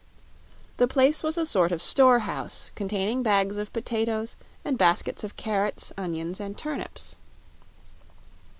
The place was a sort of store house; containing bags of potatoes and baskets of carrots, onions and turnips.